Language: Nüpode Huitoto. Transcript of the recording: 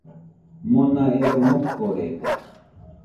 Mona ero mokorede.